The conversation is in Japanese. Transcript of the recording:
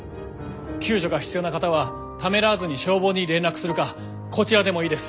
救助が必要な方はためらわずに消防に連絡するかこちらでもいいです。